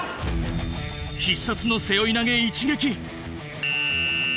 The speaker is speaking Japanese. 必殺の背負い投げ一撃！